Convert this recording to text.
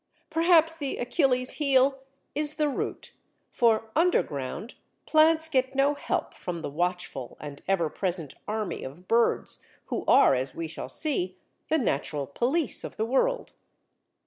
Perhaps the "Achilles' heel" is the root, for, underground, plants get no help from the watchful and ever present army of birds, who are, as we shall see, the natural police of the world.